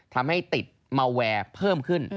ทำให้ติดมาแวร์เพิ่มขึ้น